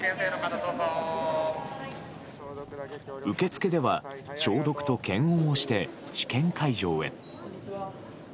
受付では消毒と検温をして試験会場へ。